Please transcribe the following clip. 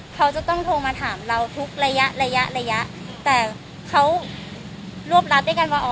เขาจะต้องโทรมาถามเราทุกระยะระยะแต่เขารวบรัดด้วยกันว่า